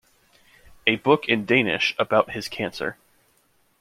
A book in Danish about his cancer.